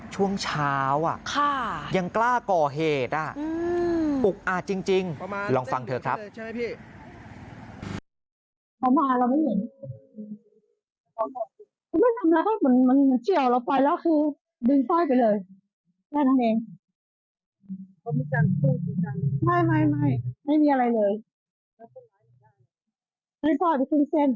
ช่วงเช้ายังกล้าก่อเหตุน่ะอุ๊กอาจจริงลองฟังเธอครับใช่ไหมพี่